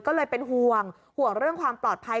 ก็เลยเป็นห่วงห่วงเรื่องความปลอดภัย